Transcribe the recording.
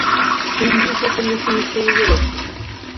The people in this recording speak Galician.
Un grupo sen definición ideolóxica?